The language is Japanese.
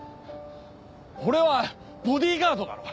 俺はボディーガードだろ？